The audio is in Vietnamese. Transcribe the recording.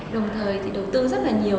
đồng thời thì đầu tư rất là nhiều